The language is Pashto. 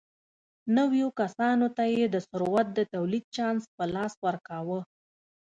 نویو کسانو ته یې د ثروت د تولید چانس په لاس ورکاوه.